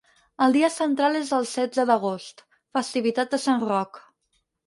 El dia central és el setze d'agost, festivitat de Sant Roc.